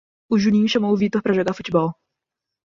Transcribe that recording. O Juninho chamou o Vítor para jogar futebol.